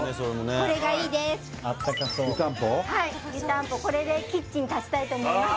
これでキッチンに立ちたいと思います